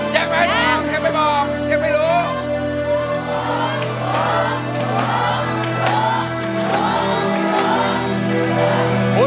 ยังไม่รู้ยังไม่บอกยังไม่รู้